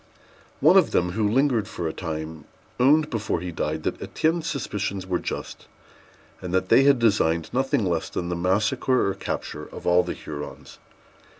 One of them, who lingered for a time, owned before he died that Étienne's suspicions were just, and that they had designed nothing less than the massacre or capture of all the Hurons.